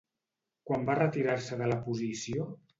Quan va retirar-se de la posició?